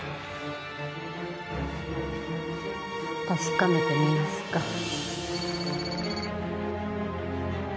確かめてみますか。